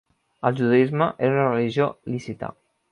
El judaisme era una religió lícita.